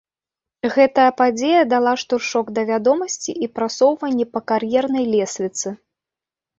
Гэта падзея дала штуршок да вядомасці і прасоўванні па кар'ернай лесвіцы.